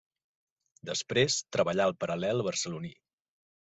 Després, treballà al Paral·lel barceloní.